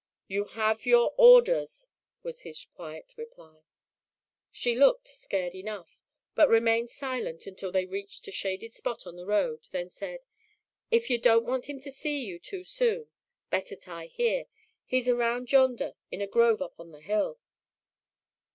"You have your orders," was his quiet reply. She looked scared enough, but remained silent until they reached a shaded spot on the road, then said, "If you don't want him to see you too soon, better tie here. He's around yonder, in a grove up on the hill."